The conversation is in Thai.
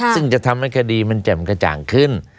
ซึ่งจะทำให้คดีมันแจ่มกระจ่างขึ้น